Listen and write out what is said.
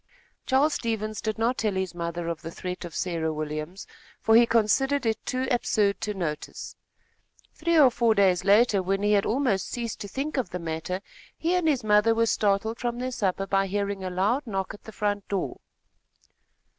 Charles Stevens did not tell his mother of the threat of Sarah Williams, for he considered it too absurd to notice. Three or four days later, when he had almost ceased to think of the matter, he and his mother were startled from their supper, by hearing a loud knock at the front door.